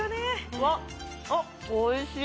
うわっおいしい